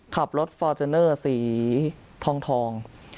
ขับรถฟอร์จูเนอร์สีทอง